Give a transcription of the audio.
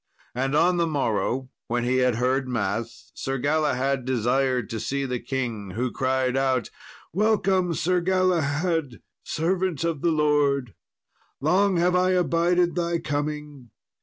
And on the morrow, when he had heard mass, Sir Galahad desired to see the king, who cried out, "Welcome, Sir Galahad, servant of the Lord! long have I abided thy coming.